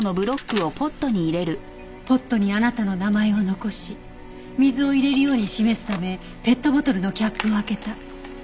ポットにあなたの名前を残し水を入れるように示すためペットボトルのキャップを開けた。